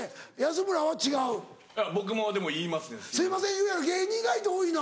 言うやろ芸人意外と多いな。